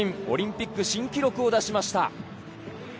オリンピック新記録を出しました。